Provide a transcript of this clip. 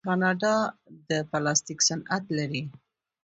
کاناډا د پلاستیک صنعت لري.